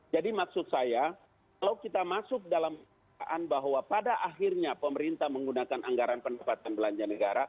jadi maksud saya kalau kita masuk dalam bahwa pada akhirnya pemerintah menggunakan anggaran pendapatan belanja negara